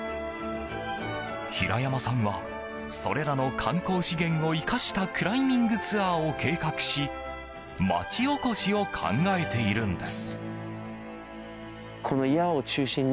平山さんはそれらの観光資源を生かしたクライミングツアーを計画し町おこしを考えているんです。